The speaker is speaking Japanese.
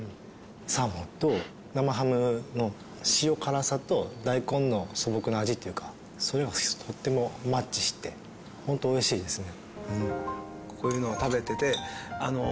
サーモンと生ハムの塩辛さと大根の素朴な味っていうかそういうのがとてもマッチしてホント美味しいですね。